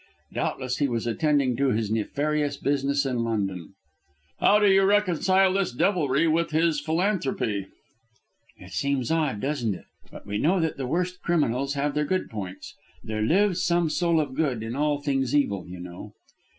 Doubtless he was attending to his nefarious business in London." "How do you reconcile this devilry with his philanthropy?" "It seems odd, doesn't it? But we know that the worst criminals have their good points. There lives some soul of good in all things evil, you know."